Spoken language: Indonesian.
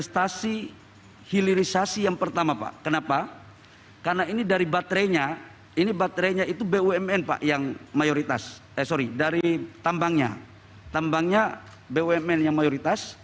khususnya keperluan ekonomi dan teknologi